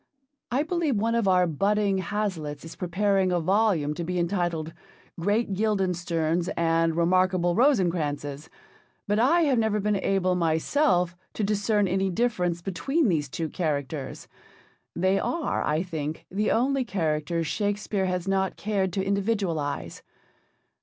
I believe one of our budding Hazlitts is preparing a volume to be entitled 'Great Guildensterns and Remarkable Rosencrantzes,' but I have never been able myself to discern any difference between these two characters. They are, I think, the only characters Shakespeare has not cared to individualise.